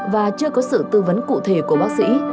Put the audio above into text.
và chưa có sự tư vấn cụ thể của bác sĩ